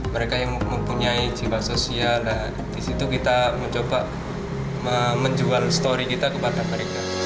mereka yang mempunyai cinta sosial dan disitu kita mencoba menjual story kita kepada mereka